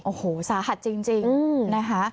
โอ้โหสาหัสจริงนะคะ